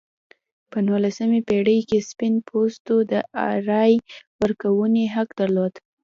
په نولسمې پېړۍ کې سپین پوستو د رایې ورکونې حق درلود.